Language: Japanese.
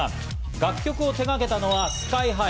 楽曲を手がけたのはＳＫＹ−ＨＩ。